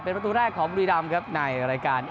เป็นประตูแรกของบุรีรำครับในรายการ